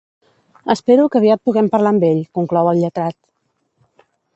Espero que aviat puguem parlar amb ell, conclou el lletrat.